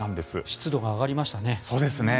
湿度が上がりましたね。